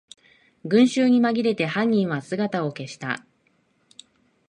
群集にまぎれて犯人は姿を消した